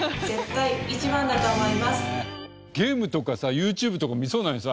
ゲームとかさＹｏｕＴｕｂｅとか見そうなのにさ